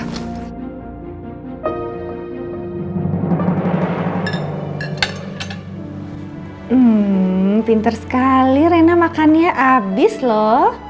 hmm pinter sekali rena makannya habis loh